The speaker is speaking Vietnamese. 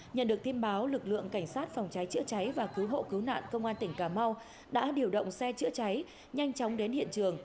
nhận được tin báo lực lượng cảnh sát phòng cháy chữa cháy và cứu hộ cứu nạn công an tỉnh cà mau đã điều động xe chữa cháy nhanh chóng đến hiện trường